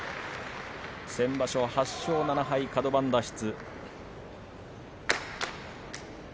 先場所は８勝７敗カド番脱出。